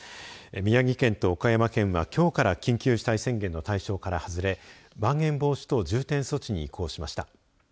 宮城県と岡山県は、きょうから緊急事態宣言の対象から外れまん延防止等重点措置に移行しました。